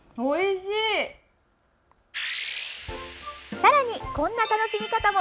さらにこんな楽しみ方も。